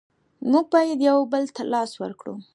مونږ باید یو بل ته لاس ورکړو.